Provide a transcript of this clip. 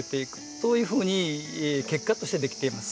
そういうふうに結果として出来ています。